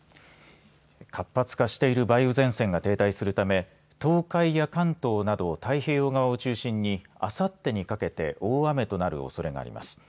活発化している梅雨前線が停滞するため東海や関東など太平洋側を中心にあさってにかけて大雨となるおそれがあります。